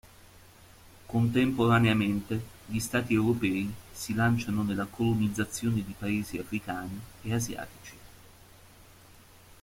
Contemporaneamente, gli stati europei si lanciano nella colonizzazione di paesi africani e asiatici.